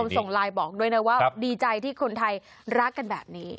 ส่งไลน์บอกด้วยนะว่าดีใจที่คนไทยรักกันแบบนี้